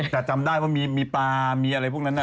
แต่จำได้ว่ามีปลามีอะไรพวกนั้น